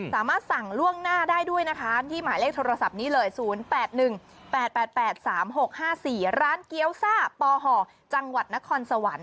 สามารถสั่งล่วงหน้าได้ด้วยนะคะที่หมายเลขโทรศัพท์นี้เลย๐๘๑๘๘๓๖๕๔ร้านเกี้ยวซ่าปหจังหวัดนครสวรรค์